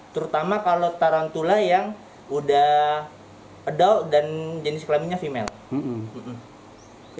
terutama kalau tarantula yang udah adol dan jenis kelaminnya female